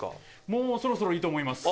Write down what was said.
もうそろそろいいと思います